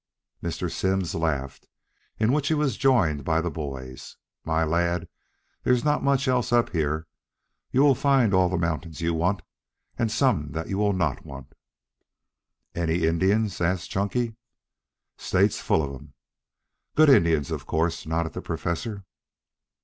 Mr. Simms laughed, in which he was joined by the boys. "My lad, there's not much else up here. You'll find all the mountains you want and some that you will not want " "Any Indians?" asked Chunky. "State's full of them." "Good Indians, of course," nodded the Professor.